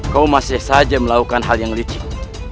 kau masih saja melakukan hal yang licin